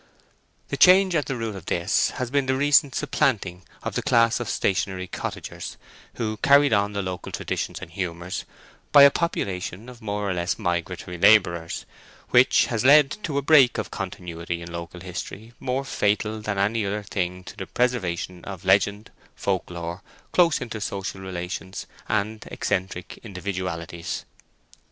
The change at the root of this has been the recent supplanting of the class of stationary cottagers, who carried on the local traditions and humours, by a population of more or less migratory labourers, which has led to a break of continuity in local history, more fatal than any other thing to the preservation of legend, folk lore, close inter social relations, and eccentric individualities.